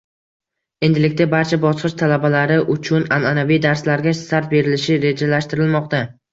Endilikda barcha bosqich talabalari uchun anaʼanaviy darslarga start berilishi rejalashtirilmoqda.